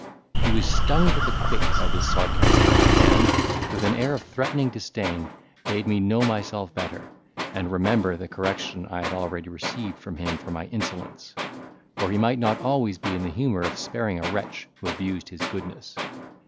He was stung to the quick by this sarcasm, and, with an air of threatening disdain, bade me know myself better, and remember the correction I had already received from him for my insolence; for he might not always be in the humour of sparing a wretch who abused his goodness.